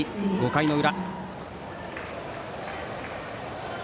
５回の裏。